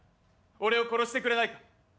俺を殺してくれないか？